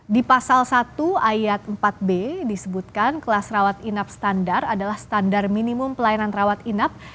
di pasal satu ayat empat b disebutkan kelas rawat inap standar adalah standar minimum pelayanan rawat inap